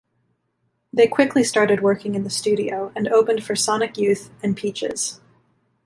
They quickly started working in the studio and opened for Sonic Youth and Peaches.